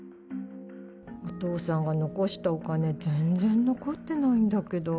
お父さんが残したお金、全然残ってないんだけど。